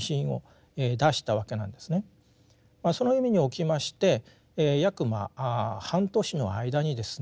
その意味におきまして約半年の間にですね